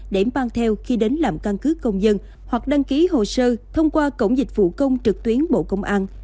để mang theo khi đến làm căn cứ công dân hoặc đăng ký hồ sơ thông qua cổng dịch vụ công trực tuyến bộ công an